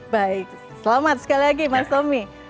baik selamat sekali lagi mas tommy